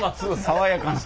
爽やかな。